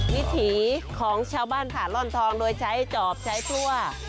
วิถีของชาวบ้านผ่าร่อนทองโดยใช้จอบใช้ทั่ว